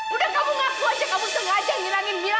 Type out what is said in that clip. udah kamu ngaku aja kamu sengaja ngangin mila